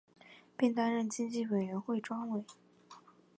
并担任经济委员会专委。